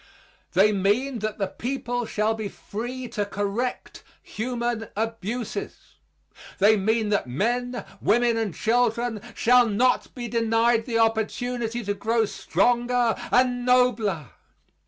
They mean that the people shall be free to correct human abuses. They mean that men, women and children shall not be denied the opportunity to grow stronger and nobler.